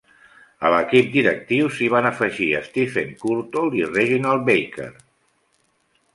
A l'equip directiu, s'hi van afegir Stephen Courtauld i Reginald Baker.